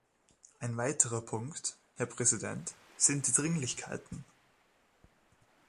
Ein weiterer Punkt, Herr Präsident, sind die Dringlichkeiten.